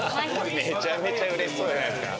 めちゃめちゃうれしそうじゃないですか。